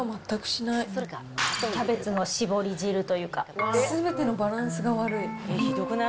キャベツのしぼり汁というかすべてのバランスが悪い。